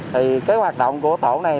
thì cái hoạt động của tổ này